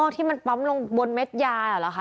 ที่มันปั๊มลงบนเม็ดยาเหรอคะ